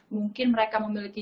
mungkin mereka memiliki